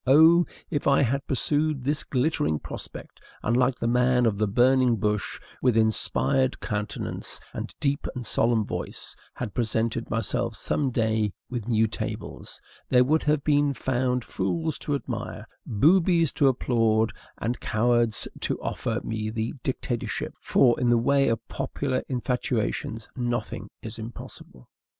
Oh, if I had pursued this glittering prospect, and, like the man of the burning bush, with inspired countenance and deep and solemn voice, had presented myself some day with new tables, there would have been found fools to admire, boobies to applaud, and cowards to offer me the dictatorship; for, in the way of popular infatuations, nothing is impossible.